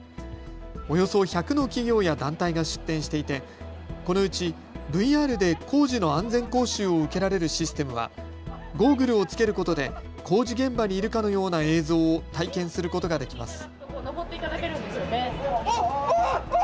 およそ１００の企業や団体が出展していてこのうちＶＲで工事の安全講習を受けられるシステムはゴーグルを着けることで工事現場にいるかのような映像を体験することができます。